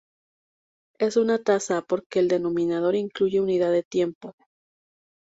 Es una tasa porque el denominador incluye unidad de tiempo.